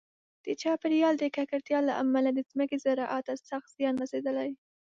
د چاپیریال د ککړتیا له امله د ځمکې زراعت ته سخت زیان رسېدلی.